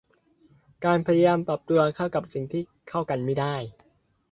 การพยายามปรับตัวเข้ากับสิ่งที่เข้ากันไม่ได้